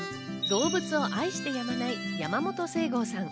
動物を愛してやまない山本清號さん。